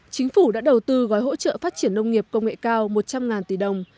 chính phủ đã đầu tư gói hỗ trợ phát triển nông nghiệp công nghệ cao một trăm linh tỷ đồng